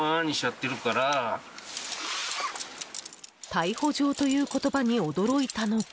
逮捕状という言葉に驚いたのか。